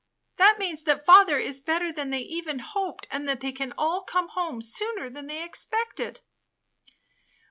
That means that father is better than they even hoped and that they can all come sooner than they expected."